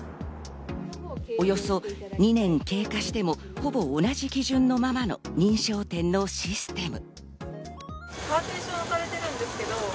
およそ２年経過しても、ほぼ同じ基準のままの認証店のシステム。